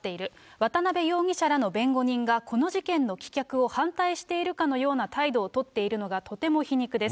渡辺容疑者らの弁護人がこの事件の棄却を反対しているかのような態度を取っているのがとても皮肉です。